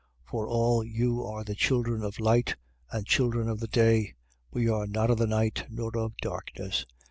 5:5. For all you are the children of light and children of the day: we are not of the night nor of darkness.